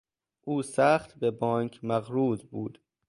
او سخت به بانک مقروض بود.